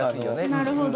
なるほど。